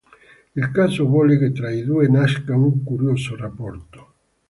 Il caso vuole che tra i due nasca un curioso rapporto.